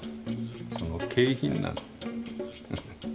その景品なの。